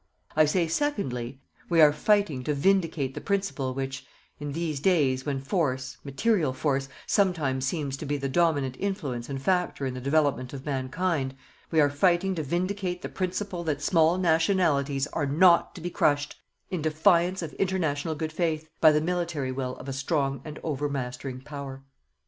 I say, secondly, we are fighting to vindicate the principle which, in these days when force, material force, sometimes seems to be the dominant influence and factor in the development of mankind, we are fighting to vindicate the principle that small nationalities are not to be crushed, in defiance of international good faith, by the military will of a strong and overmastering Power.